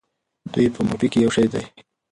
دوی په مورفي کې یو شی دي.